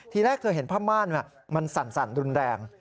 ทีแรกเธอเห็นผ้าม่านมันสั่นรุนแรง